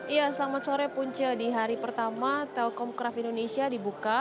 iya selamat sore punce di hari pertama telkomcraft indonesia dibuka